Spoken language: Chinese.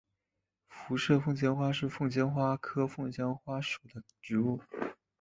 辐射凤仙花是凤仙花科凤仙花属的植物。